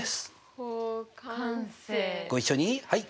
ご一緒にはい！